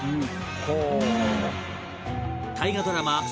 大河ドラマ